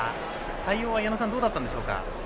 対応はどうだったんでしょうか。